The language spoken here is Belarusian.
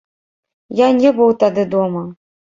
Я не быў тады дома.